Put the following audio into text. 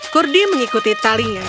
kurdi mengikuti talinya